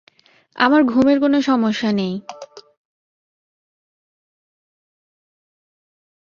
আমার ঘুমের কোনো সমস্যা নেই!